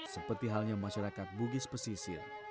seperti halnya masyarakat bugis pesisir